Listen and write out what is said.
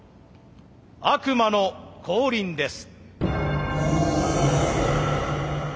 悪魔の降臨です。